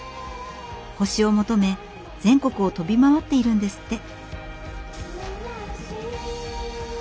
星を求め全国を飛び回っているんですって。